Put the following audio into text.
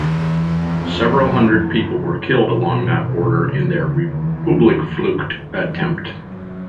Several hundred people were killed along that border in their Republikflucht attempt.